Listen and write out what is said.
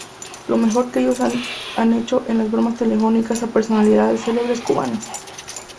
Lo mejor que ellos han hecho es las bromas telefónicas a personalidades celebres cubanas.